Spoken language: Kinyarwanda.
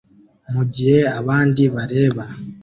Mugihe abandi bareba